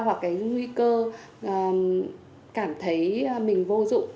hoặc cái nguy cơ cảm thấy mình vô dụng